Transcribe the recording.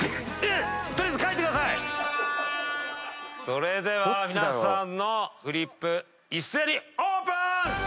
それでは皆さんのフリップ一斉にオープン！